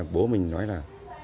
bố mình nói là